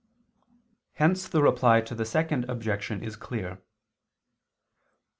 Hence the Reply to the Second Objection is clear.